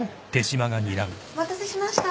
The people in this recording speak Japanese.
お待たせしました。